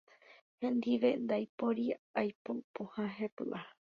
Hendive ndaipóri aipo pohã hepýva.